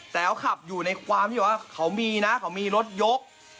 แต่เขาขับอยู่ในความที่ว่าเขามีนะเขามีรถยก